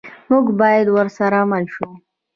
موږ باید ورسره مل شو.